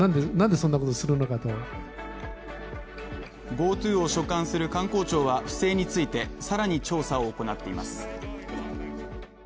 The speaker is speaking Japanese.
ＧｏＴｏを所管する観光庁は、不正についてさらに調査を行っています。